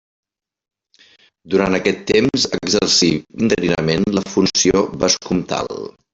Durant aquest temps, exercí interinament la funció vescomtal.